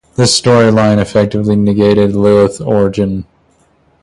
This storyline effectively negated Lilith's origin.